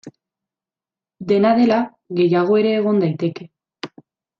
Dena dela, gehiago ere egon daiteke.